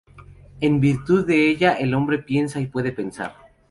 En virtud de ella el hombre piensa y puede pensar.